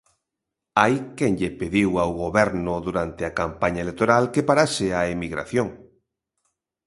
Hai quen lle pediu ao goberno, durante a campaña electoral, que parase a emigración.